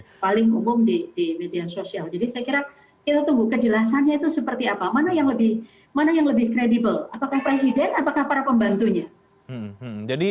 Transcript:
jadi saya kira kita tunggu kejelasannya itu seperti apa mana yang lebih kredibel apakah presiden apakah para pembantunya